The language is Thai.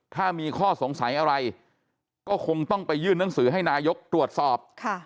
ถ้ามีข้อสงสัยอะไรก็คงต้องไปยื่นหนังสือให้นายกตรวจสอบ